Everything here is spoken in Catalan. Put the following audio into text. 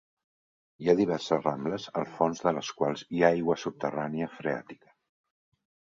Hi ha diverses rambles al fons de les quals hi ha aigua subterrània freàtica.